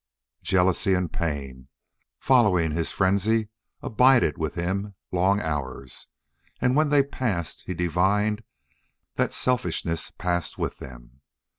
Jealousy and pain, following his frenzy, abided with him long hours, and when they passed he divined that selfishness passed with them.